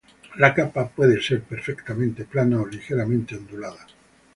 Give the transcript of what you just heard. La capa puede ser perfectamente plana o ligeramente ondulada.